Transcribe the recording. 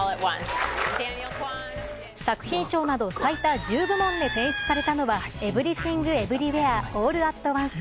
作品賞など最多１０部門で選出されたのは「エブリシング・エブリウェア・オール・アット・ワンス」。